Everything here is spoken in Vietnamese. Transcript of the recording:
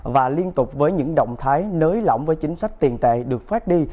và liên tục với những động thái nới lỏng với chính sách tiền tệ được phát đi